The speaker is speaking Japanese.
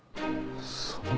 そんな。